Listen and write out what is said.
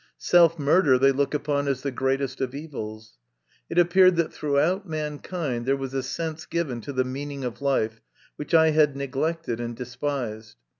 Self murder they look upon as the greatest of evils. It appeared that throughout mankind there was a sense given to the meaning of life which I had neglected and despised.